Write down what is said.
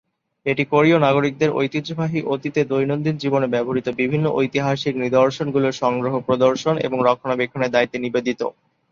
এটি কোরীয় নাগরিকদের ঐতিহ্যবাহী অতীতে দৈনন্দিন জীবনে ব্যবহৃত বিভিন্ন ঐতিহাসিক নিদর্শনগুলো সংগ্রহ, প্রদর্শন এবং রক্ষণাবেক্ষণের দায়িত্বে নিবেদিত।